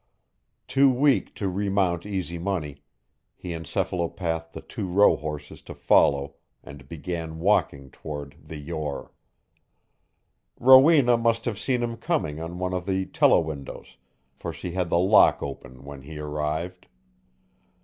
Too weak to remount Easy Money, he encephalopathed the two rohorses to follow and began walking toward the Yore. Rowena must have seen him coming on one of the telewindows, for she had the lock open when he arrived.